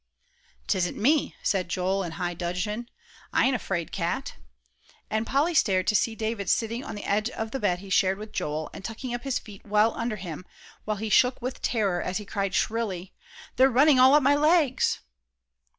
"'Tisn't me," said Joel, in high dudgeon; "I ain't a 'fraid cat." And Polly stared to see David sitting on the edge of the bed he shared with Joel, and tucking up his feet well under him, while he shook with terror as he cried shrilly, "They're running all up my legs!"